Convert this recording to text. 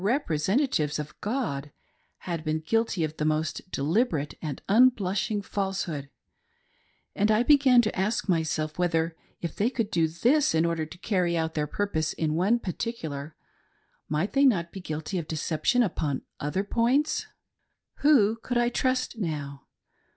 representatives of God, had been guilty of the most deliberate' and unblushing falsehood, and I began to ask myself whether, if they could do this in order to carry out their purpose in one particular, might they not be guilty of deception upon other points ? Who could I trust now